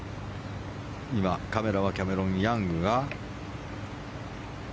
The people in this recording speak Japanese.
今、カメラはキャメロン・ヤングが。